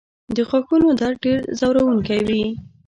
د غاښونو درد ډېر ځورونکی وي.